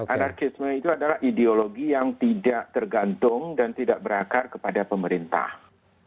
anarkisme itu adalah ideologi yang tidak tergantung dan tidak berakar kepada pemerintah